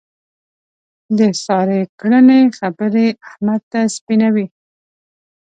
د سارې کړنې خبرې احمد سپینوي.